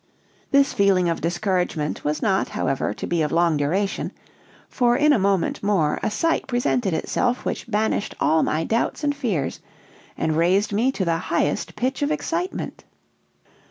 "This feeling of discouragement was not, however, to be of long duration; for in a moment more a sight presented itself, which banished all my doubts and fears, and raised me to the highest pitch of excitement.